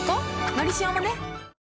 「のりしお」もね